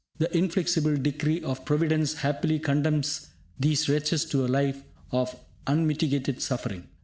The inflexible decree of Providence happily condemns these wretches to a life of unmitigated suffering.